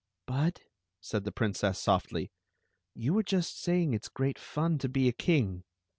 " Bud," said the princess, softly, "you were just say ing it 's great fun to be a king."